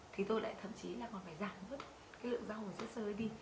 thì tôi lại thậm chí là còn phải giảm rút cái lượng rau của chất sơ ấy đi